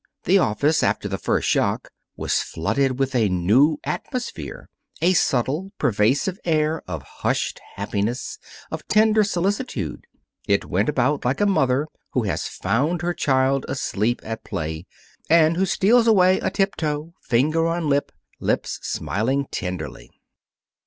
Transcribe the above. The office, after the first shock, was flooded with a new atmosphere a subtle, pervasive air of hushed happiness, of tender solicitude. It went about like a mother who has found her child asleep at play, and who steals away atiptoe, finger on lip, lips smiling tenderly.